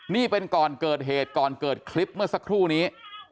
นี่เป็นก่อนเกิดเหตุก่อนเกิดคลิปเมื่อสักครู่นี้